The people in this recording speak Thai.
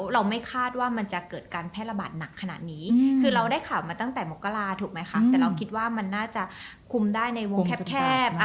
เราไม่คาดว่ามันจะเกิดการแพร่ระบาดหนักขนาดนี้คือเราได้ข่าวมาตั้งแต่มกราถูกไหมคะแต่เราคิดว่ามันน่าจะคุมได้ในวงแคบ